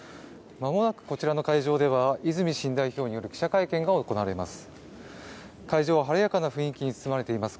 間もなくこちらの会場では泉新代表による記者会見が行われます。